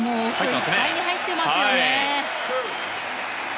いっぱいに入ってますよね。